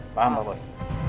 paham pak bos